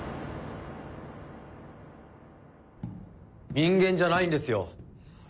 人間じゃないんですよ。